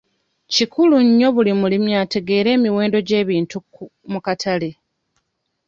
Kikulu nnyo buli mulimu ategeera emiwendo gy'ebintu mu katale.